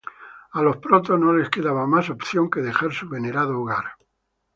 A los Protoss no les quedaba más opción que dejar su venerado hogar.